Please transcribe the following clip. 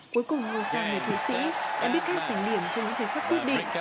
cuối cùng ngồi sang người thủy sĩ đã biết các giành điểm trong những thời khắc quyết định